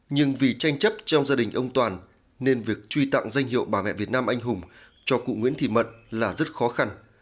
nhưng vì tranh chấp trong gia đình ông toàn nên việc truy tặng danh hiệu bà mẹ việt nam anh hùng cho cụ nguyễn thị mận là rất khó khăn